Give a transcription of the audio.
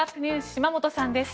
島本さんです。